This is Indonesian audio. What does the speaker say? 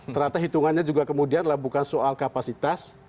ternyata hitungannya juga kemudian adalah bukan soal kapasitas